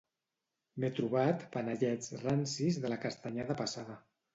M'he trobat panellets rancis de la Castanyada passada.